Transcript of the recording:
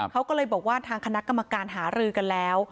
เขาก็เลยบอกว่าทางคณะกรรมการหารือกันแล้ว